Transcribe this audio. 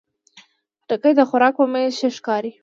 خټکی د خوراک په میز ښه ښکاري.